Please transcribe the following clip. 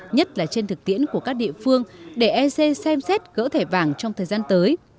nhất là trên thực tiễn của các địa phương để ec xem xét gỡ thẻ vàng trong thời gian tới